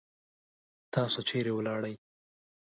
تاسو چیرې ولاړی؟